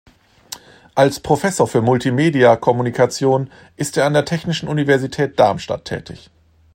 Als Professor für Multimedia Kommunikation ist er an der Technischen Universität Darmstadt tätig.